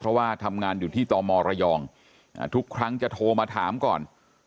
เพราะว่าทำงานอยู่ที่ตมระยองทุกครั้งจะโทรมาถามก่อน